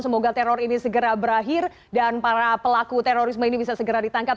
semoga teror ini segera berakhir dan para pelaku terorisme ini bisa segera ditangkap